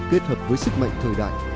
kết hợp với sức mạnh thời đại